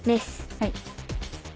はい。